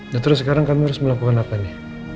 dan terus sekarang kamu harus melakukan apa nih